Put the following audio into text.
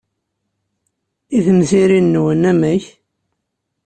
I temsirin-nwen, amek?